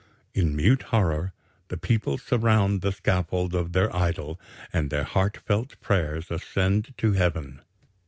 In mute horror the people surround the scaffold of their idol and their heart felt prayers ascend to Heaven.